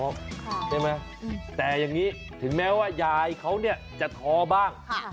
ใช่ไหมแต่อย่างนี้ถึงแม้ว่ายายเขาเนี่ยจะท้อบ้าง